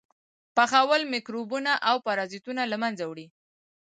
پخول میکروبونه او پرازیټونه له منځه وړي.